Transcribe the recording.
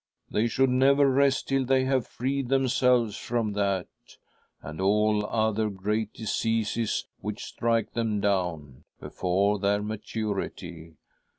They should never .. rest till they have freed themselves from that, and all other great diseases which, strike them down, ■ before their maturity.